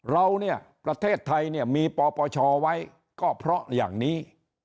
เราประเทศไทยมีปปชไว้ก็เพราะอย่างนี้